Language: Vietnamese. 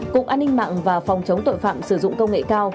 cục an ninh mạng và phòng chống tội phạm sử dụng công nghệ cao